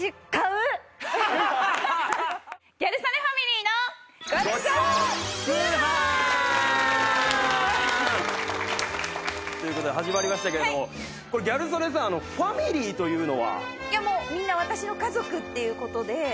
『ギャル曽根ファミリーの』。という事で始まりましたけれどもこれギャル曽根さんファミリーというのは？いやもうみんな私の家族っていう事で。